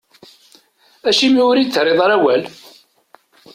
Acimi ur iyi-d-terriḍ ara awal?